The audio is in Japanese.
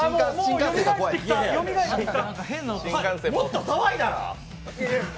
広島のもっと騒いだら？